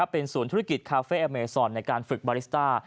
เป็นศูนย์ธุรกิจคาเฟ่อเมซอนในการฝึกบาริสต้า